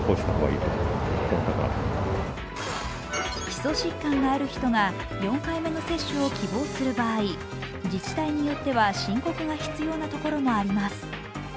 基礎疾患がある人が４回目の接種を希望する場合自治体によっては、申告が必要なところもあります。